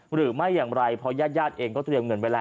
หรือไม่อย่างไรเพราะญาติญาติเองก็เตรียมเงินไว้แล้ว